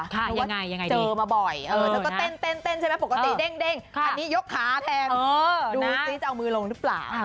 เพราะว่าเจอมาบ่อยแล้วก็เต้นใช่ไหมปกติเด้งอันนี้ยกขาแทนดูซิจะเอามือลงหรือเปล่า